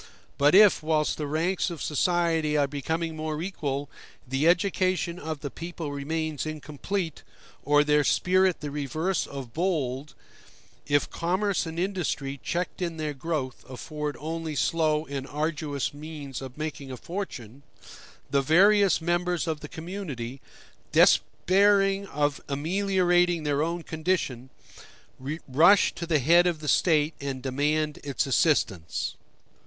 But if, whilst the ranks of society are becoming more equal, the education of the people remains incomplete, or their spirit the reverse of bold if commerce and industry, checked in their growth, afford only slow and arduous means of making a fortune the various members of the community, despairing of ameliorating their own condition, rush to the head of the State and demand its assistance.